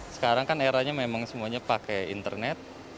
sekarang kan eranya memang semuanya pakai internet